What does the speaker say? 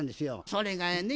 それがやね